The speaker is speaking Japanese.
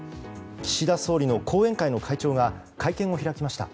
岸田総理の後援会の会長が会見を開きました。